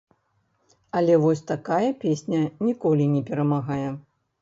Але вось такая песня ніколі не перамагае.